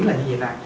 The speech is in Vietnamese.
là như vậy nè